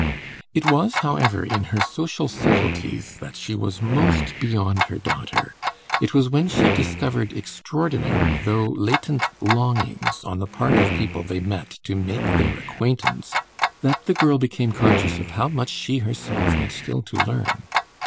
It was, however, in her social subtleties that she was most beyond her daughter; it was when she discovered extraordinary though latent longings on the part of people they met to make their acquaintance, that the girl became conscious of how much she herself had still to learn.